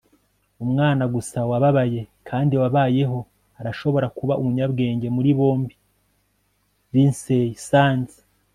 umwana gusa wababaye kandi wabayeho arashobora kuba umunyabwenge muri bombi. - lynsay sands